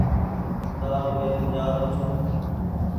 ڏآڙ لين جآرو ڇون ۔